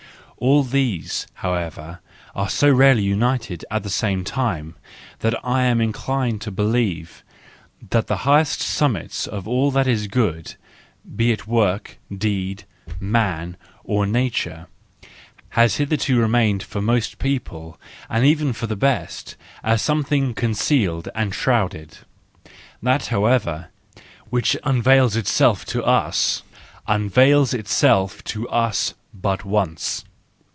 All these, however, are so rarely united at the same time that I am inclined to believe that the highest summit of all that is good, be it work, deed, man, or nature, has hitherto remained for most people, and even for the best, as something concealed and shrouded :— that, however, which unveils itself to us, unveils itself to us but once.